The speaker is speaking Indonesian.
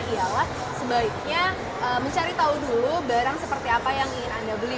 ialah sebaiknya mencari tahu dulu barang seperti apa yang ingin anda beli